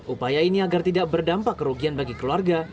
upaya ini agar tidak berdampak kerugian bagi keluarga